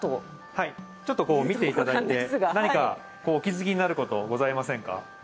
はいちょっと見ていただいて何かお気づきになることございませんか？